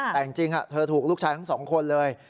แต่จริงเธอถูกลูกชายทั้งสองคนเลย